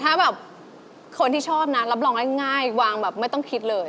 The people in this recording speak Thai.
ถ้าแบบคนที่ชอบนะรับรองง่ายวางแบบไม่ต้องคิดเลย